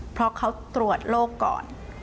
เพราะเขาตรวจโรคก่อน